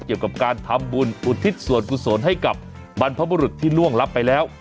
เกี่ยวกับการทำบุญอุทิศส่วนกุศลให้กับบรรพบุรุษที่ล่วงลับไปแล้ว